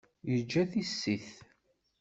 Yeǧǧa tissit.